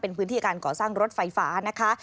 เป็นพื้นที่การก่อสร้างรถไฟฟ้านะคะ